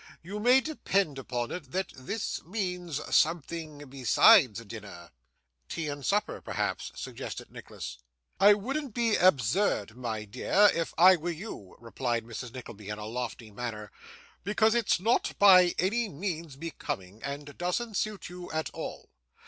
You may depend upon it that this means something besides dinner.' 'Tea and supper, perhaps,' suggested Nicholas. 'I wouldn't be absurd, my dear, if I were you,' replied Mrs. Nickleby, in a lofty manner, 'because it's not by any means becoming, and doesn't suit you at all.